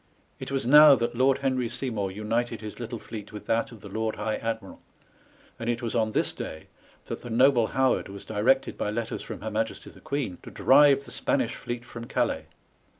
It was now that Lord Henry Seymour united his little fleet with that of the Lord High Admiral ; and it was on this day that the noble Howard was directed by letters from her Majesty the Queen to drive the Spanish fleet from Calais.